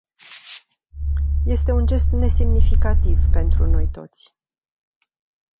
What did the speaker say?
Este un gest nesemnificativ pentru noi toți.